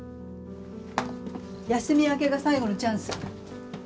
休み明けが最後のチャンス。